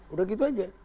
udah gitu aja